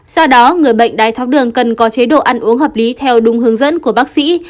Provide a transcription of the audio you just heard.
do đó người bệnh đái tháo đường cần có chế độ ăn uống hợp lý theo đúng hướng dẫn của bác sĩ